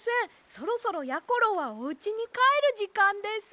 そろそろやころはおうちにかえるじかんです。